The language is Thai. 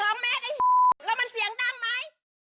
โอ้ย๒แม็กซ์ไอ้แล้วมันเสียงดังไหม